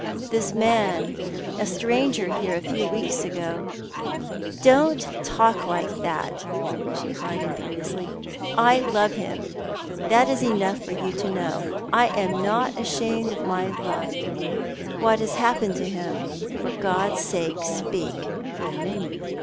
This man — a stranger here a few weeks ago ''" Don't talk like that," she cried, imperiously. " I love him : That is enough for you to know. I am not ashamed of my love. What has hapj^ened to him ? For God's sake, speak."